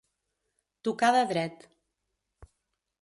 Tocar de dret.